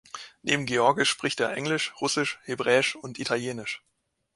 Neben georgisch spricht er Englisch, Russisch, Hebräisch und Italienisch.